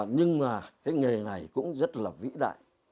nhưng mà cái nghề này cũng rất là vĩ đại